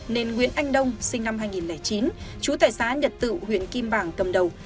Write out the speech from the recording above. nên nguyễn anh đông sinh năm hai nghìn chín chú tại xã nhật tự huyện kim bảng cầm đầu